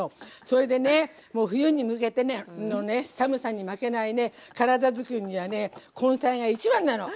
それでねもう冬に向けてのね寒さに負けない体づくりにはね根菜が一番なの。